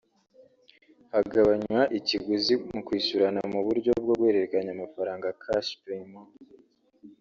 hagabanywa ikiguzi mu kwishyurana mu buryo bwo guhererekanya amafaranga (Cash Payment)